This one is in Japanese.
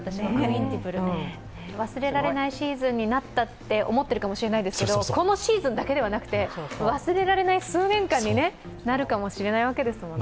忘れられないシーズンになったと思ってるかもしれないですけどこのシーズンだけではなくて、忘れられない数年間になるかもしれないわけですもんね。